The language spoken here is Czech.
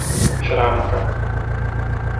Šrámka.